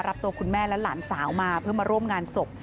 รับตัวคุณแม่และหลานสาวมาเพื่อมาร่วมงานศพ